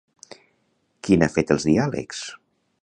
Qui n'ha fet els diàlegs?